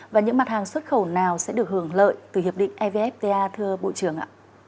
và những mặt hàng xuất khẩu nào sẽ được hưởng lợi từ hiệp định evfta thưa bộ trưởng ạ